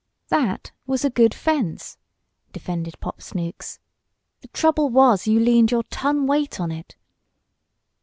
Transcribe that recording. "That was a good fence!" defended Pop Snooks. "The trouble was you leaned your ton weight on it."